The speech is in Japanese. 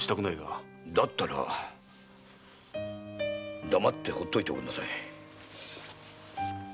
だったら黙ってほっといておくんなさい。